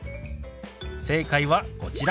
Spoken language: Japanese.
正解はこちら。